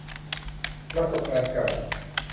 ประสบการณ์เก่า